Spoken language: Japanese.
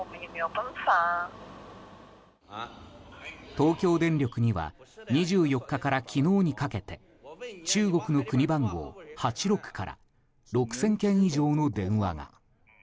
東京電力には２４日から昨日にかけて中国の国番号８６から６０００件以上の電話が。